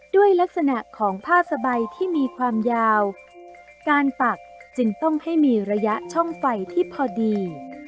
ด้วยลักษณะของผ้าสบายที่มีความยาวการปักจึงต้องให้มีระยะช่องไฟที่พอดี